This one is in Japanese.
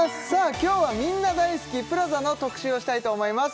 今日はみんな大好きＰＬＡＺＡの特集をしたいと思います